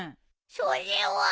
それは。